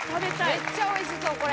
めっちゃおいしそうこれ。